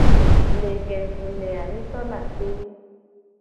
Le gedu me a mi sona kpe ye.